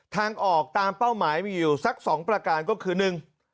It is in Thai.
ทางออกตามเป้าหมายมีอยู่สัก๒ประการก็คือ